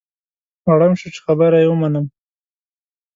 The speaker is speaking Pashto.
اړ شوم چې خبره یې ومنم.